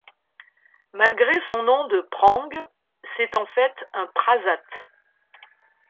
Malgré son nom de prang, c'est en fait un prasat.